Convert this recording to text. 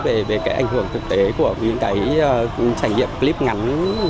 về cái ảnh hưởng thực tế của những cái trải nghiệm clip ngắn